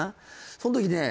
その時ね